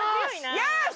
よし！